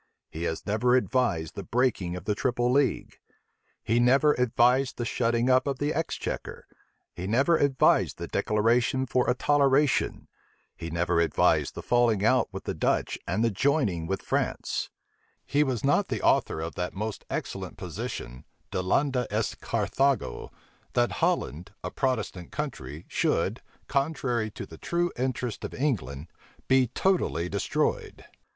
He never advised the breaking of the triple league; he never advised the shutting up of the exchequer; he never advised the declaration for a toleration; he never advised the falling out with the Dutch and the joining with France: he was not the author of that most excellent position, Delenda est Carthago, that Holland, a Protestant country, should, contrary to the true interests of England, be totally destroyed.